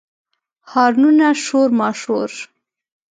هارنونه، شور ماشور